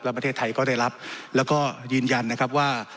ประเทศไทยก็ได้รับแล้วก็ยืนยันนะครับว่า